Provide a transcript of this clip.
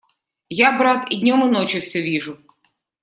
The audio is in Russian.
Я, брат, и днем и ночью все вижу.